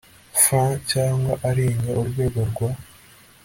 frw cyangwa arenga urwego rwa